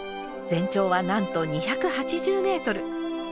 全長はなんと２８０メートル。